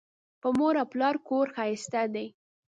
په مور او پلار کور ښایسته دی